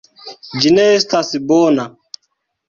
Ĝi ne estas bona.